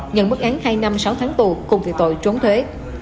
nhận mức án hai năm sáu tháng tù cùng về tội trốn thuế